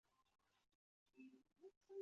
伊比库伊是巴西巴伊亚州的一个市镇。